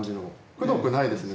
くどくないですね